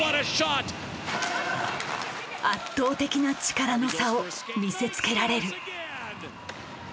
圧倒的な力の差を見せつけられる。